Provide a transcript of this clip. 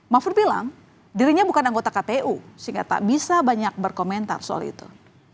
mahfud bilang dirinya bukan anggota kpu sehingga tak bisa banyak berkomentar soal itu